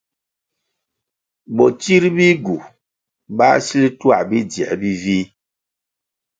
Botsir bihgu báh sil tuah bi dzier bi vih.